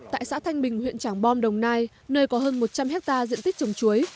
tại xã thanh bình huyện trảng bom đồng nai nơi có hơn một trăm linh hectare diện tích trồng chuối